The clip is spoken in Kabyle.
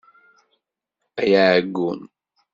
Ay aɛeggun!